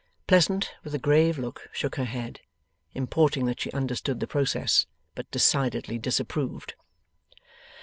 Pleasant with a grave look shook her head; importing that she understood the process, but decidedly disapproved.